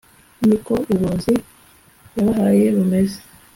niko uburozi Yabahaye bumeze"